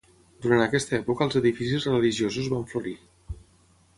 Durant aquesta època els edificis religiosos van florir.